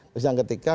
terus yang ketiga